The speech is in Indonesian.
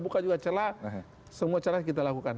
buka juga celah semua cara kita lakukan